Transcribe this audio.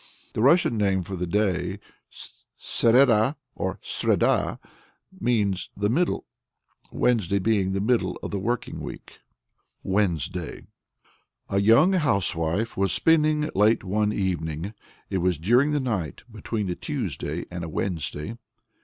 The Russian name for the day, Sereda or Sreda, means "the middle," Wednesday being the middle of the working week. WEDNESDAY. A young housewife was spinning late one evening. It was during the night between a Tuesday and a Wednesday.